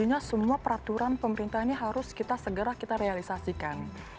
jadinya semua peraturan pemerintah ini harus kita segera realisasikan